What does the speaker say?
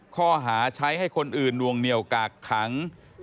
ข้อหาใช้ให้คนอื่นนวงเหนียวกากขัง